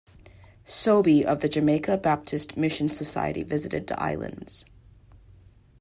Sobey of the Jamaica Baptist Mission Society visited the islands.